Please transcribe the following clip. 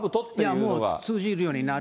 もう通じるようになる。